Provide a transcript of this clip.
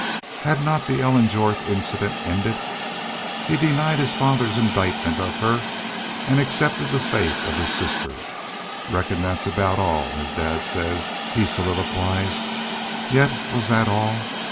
Had not the Ellen Jorth incident ended? He denied his father's indictment of her and accepted the faith of his sister. "Reckon that's aboot all, as dad says," he soliloquized. Yet was that all?